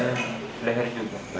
buka dirinya leher juga